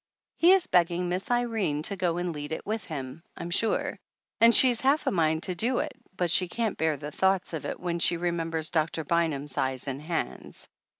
He is begging Miss Irene to go and lead it with him, I'm sure ; and she's half a mind to do it, but can't bear the thoughts of it when she remem bers Doctor Bynum's eyes and hands.